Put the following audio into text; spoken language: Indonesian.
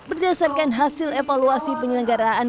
berdasarkan hasil evaluasi penyelenggaraan